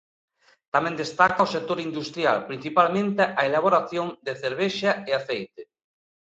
Tamén destaca o sector industrial, principalmente a elaboración de cervexa e aceite.